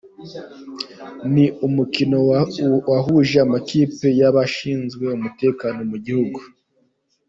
Ni umukino wahuje amakipe y’abashinzwe umutekano mu gihugu